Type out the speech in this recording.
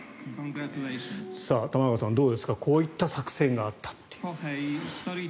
玉川さん、どうですかこういった作戦があったという。